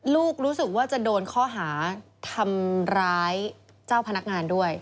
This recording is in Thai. ลูกรู้สึกว่าจะโดนข้อหาทำร้ายเจ้าพนักงานด้วย